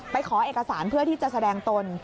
ขอเอกสารเพื่อที่จะแสดงตน